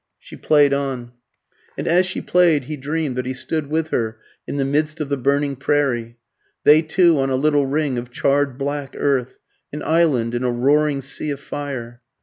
She played on, and as she played he dreamed that he stood with her in the midst of the burning prairie, they two on a little ring of charred black earth, an island in a roaring sea of fire.